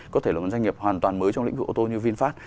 có thể là một doanh nghiệp hoàn toàn mới trong lĩnh vực ô tô như vinfast